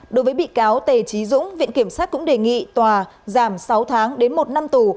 đối với bị cáo tề trí dũng viện kiểm sát cũng đề nghị tòa giảm sáu tháng đến một năm tù